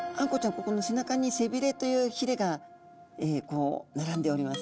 ここの背中に背びれというひれが並んでおります。